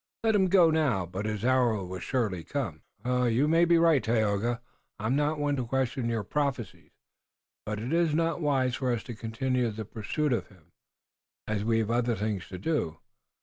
Let him go now, but his hour will surely come." "You may be right, Tayoga. I'm not one to question your prophecies, but it's not wise for us to continue the pursuit of him, as we've other things to do.